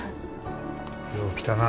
よう来たな。